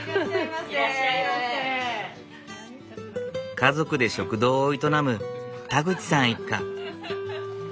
家族で食堂を営む田口さん一家。